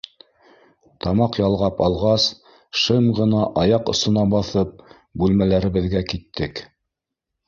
Тамаҡ ялғап алғас, шым ғына аяҡ осона баҫып, бүлмәләребеҙгә киттек.